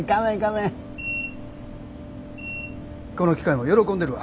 この機械も喜んでるわ。